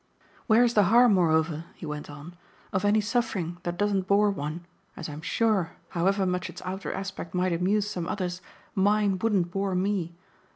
Where's the harm moreover," he went on, "of any suffering that doesn't bore one, as I'm sure, however much its outer aspect might amuse some others, mine wouldn't bore me?